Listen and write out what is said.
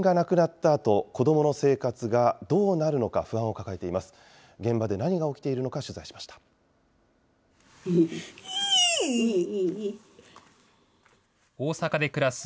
親は自分が亡くなったあと、子どもの生活がどうなるのか、不安を抱えています。